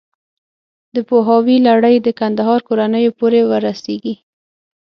د پوهاوي لړۍ د کندهار کورنیو پورې ورسېږي.